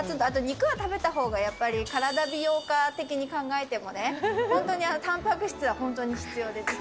あと肉は食べたほうが、やっぱり身体美容家的に考えてもね、本当にたんぱく質は、本当に必要で。